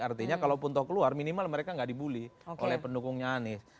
artinya kalau pun tahu keluar minimal mereka gak dibully oleh pendukungnya anis